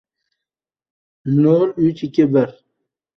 Naf’ing agar xalqqa beshak erur